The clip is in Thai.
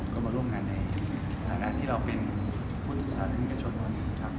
ทางแอร์ทที่เราเป็นผู้ลุชศาลินิกชน